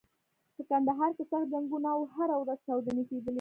په کندهار کې سخت جنګونه و او هره ورځ چاودنې کېدلې.